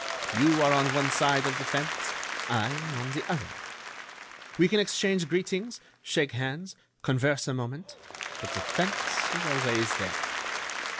You are on one side of the fence; I am on the other. We can exchange greetings, shake hands, converse a moment, but the fence is always there.